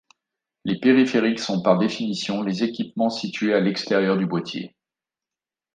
Les périphériques sont par définition, les équipements situés à l'extérieur du boîtier.